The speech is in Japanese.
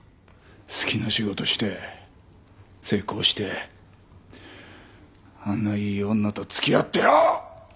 好きな仕事して成功してあんないい女と付き合ってよ！！